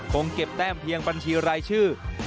คงเก็บแต้มเพียงบัญชีรายชื่อ